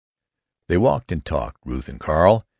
They walked and talked, Ruth and Carl.